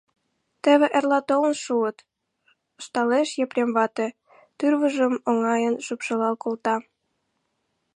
— Теве эрла толын шуыт, — ышталеш Епрем вате, тӱрвыжым оҥайын шупшылал колта.